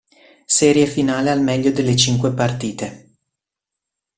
Serie finale al meglio delle cinque partite.